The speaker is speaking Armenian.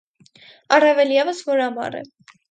Առավել ևս, որ ամառ է։